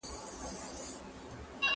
¬ د خالي دېگ ږغ لوړ وي.